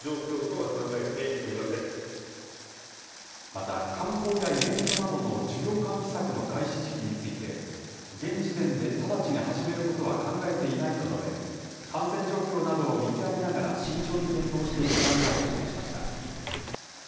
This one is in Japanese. また、観光やイベントなどの需要喚起策の開始時期について、現時点で、直ちに始めることは考えていないと述べ、感染状況などを見極めながら、慎重に検討していく考えを示しました。